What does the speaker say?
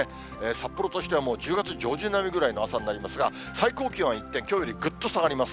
札幌としては１０月上旬並みぐらいの朝になりますが、最高気温は一転、きょうよりぐっと下がります。